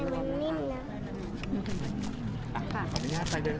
แบบนี้มันนิ่มน่ะ